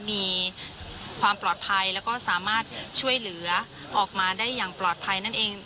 มีความปลอดภัยแล้วก็สามารถช่วยเหลือออกมาได้อย่างปลอดภัยนั่นเอง